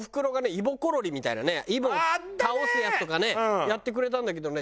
イボコロリみたいなねイボを倒すやつとかねやってくれたんだけどね